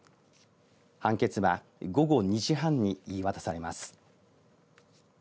判決は午後２時半に言い渡されます。